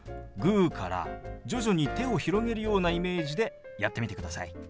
グーから徐々に手を広げるようなイメージでやってみてください。